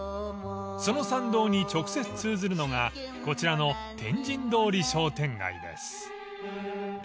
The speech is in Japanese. ［その参道に直接通ずるのがこちらの天神通り商店街です］